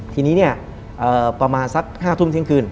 ทีนี้เนี่ยประมาณสัก๕ทุ่มเที่ยงคืน